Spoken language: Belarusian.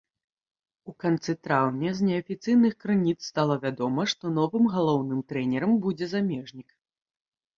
У канцы траўня з неафіцыйных крыніц стала вядома, што новым галоўным трэнерам будзе замежнік.